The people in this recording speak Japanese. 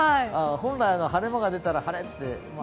本来、晴れ間が出たら晴れと。